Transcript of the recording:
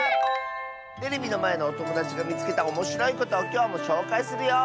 テレビのまえのおともだちがみつけたおもしろいことをきょうもしょうかいするよ！